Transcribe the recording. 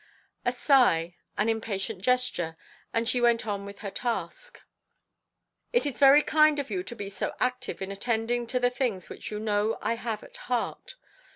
A sigh, an impatient gesture, and she went on with her task. "It is very kind of you to be so active in attending to the things which you know I have at heart.